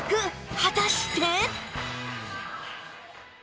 果たして